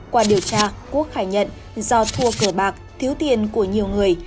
qua điều tra quốc khai nhận do thua cờ bạc thiếu tiền của nhiều người